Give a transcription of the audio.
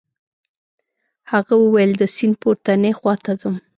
هغه وویل د سیند پورتنۍ خواته ځم.